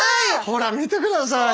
ほら見てください。